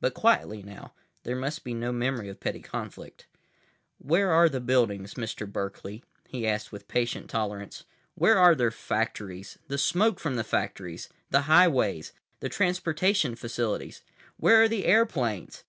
But quietly now. There must be no memory of petty conflict. "Where are their buildings, Mr. Berkeley?" he asked with patient tolerance. "Where are their factories? The smoke from their factories? The highways? The transportation facilities? Where are the airplanes?